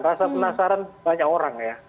rasa penasaran banyak orang ya